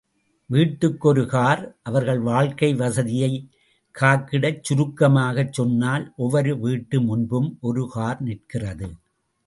வீட்டுக்கொரு car அவர்கள் வாழ்க்கை வசதியைக் காக்கிடச் சுருக்கமாகச் சொன்னால் ஒவ்வொரு வீட்டு முன்பும் ஒரு கார் நிற்கிறது.